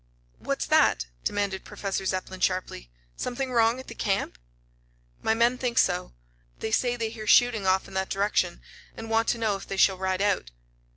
"What's that?" demanded Professor Zepplin sharply. "Something wrong at the camp?" "My men think so. They say they hear shooting off in that direction, and want to know if they shall ride out."